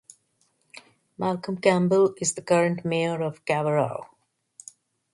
Malcolm Campbell is the current mayor of Kawerau.